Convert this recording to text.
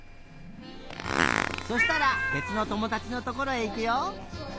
そしたらべつのともだちのところへいくよ。